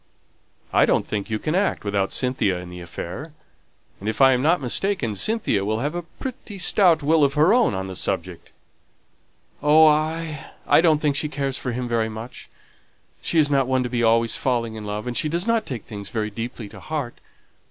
"I don't think you can act without Cynthia in the affair. And if I am not mistaken, Cynthia will have a pretty stout will of her own on the subject." "Oh, I don't think she cares for him very much; she is not one to be always falling in love, and she does not take things very deeply to heart.